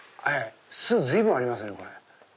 「す」随分ありますね。